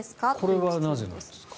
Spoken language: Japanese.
これはなぜなんですか？